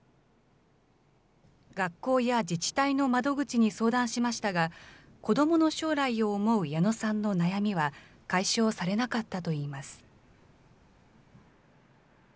学校や自治体の窓口に相談しましたが、子どもの将来を思う矢野さんの悩みは、解消されなかったといいます。